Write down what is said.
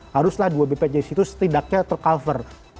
haruslah dua bpjs itu setidaknya tercover